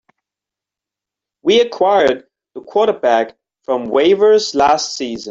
We acquired the quarterback from waivers last season.